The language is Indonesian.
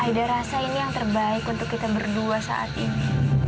ida rasa ini yang terbaik untuk kita berdua saat ini